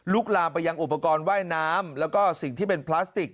ลามไปยังอุปกรณ์ว่ายน้ำแล้วก็สิ่งที่เป็นพลาสติก